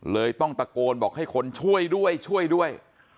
เลยต้องตะโกนบอกให้คนช่วยด้วยช่วยด้วย